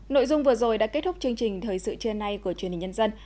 nội dung vừa rồi đã kết thúc chương trình thời sự trưa nay của truyền hình nhân dân